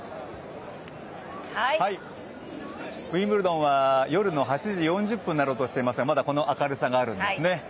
ウィンブルドンは夜の８時４０分になろうとしていますがまだこの明るさがあるんですね。